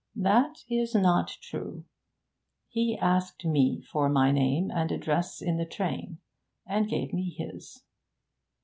That is not true. He asked me for my name and address in the train, and gave me his.'